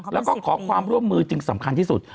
แล้วก็ขอความร่วมมือจึงสำคัญที่สุด